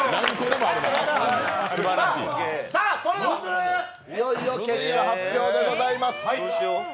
それではいよいよ結果発表でございます。